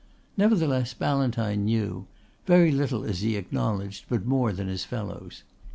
Nevertheless Ballantyne knew very little as he acknowledged but more than his fellows.